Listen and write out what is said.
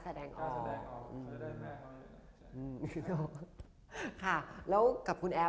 เพราะมันก็ไม่ได้ลุยแบบ